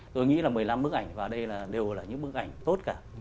tôi nghĩ là một mươi năm bức ảnh vào đây là đều là những bức ảnh tốt cả